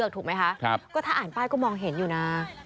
ถูกไหมคะก็ถ้าอ่านป้ายก็มองเห็นอยู่นะ